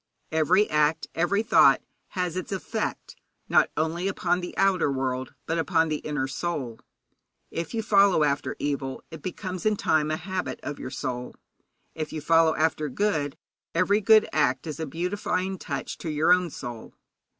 Every act, every thought, has its effect, not only upon the outer world, but upon the inner soul. If you follow after evil, it becomes in time a habit of your soul. If you follow after good, every good act is a beautifying touch to your own soul.